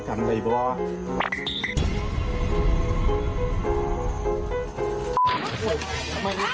ขออันที่เบาดีหรือเปล่าเบามาก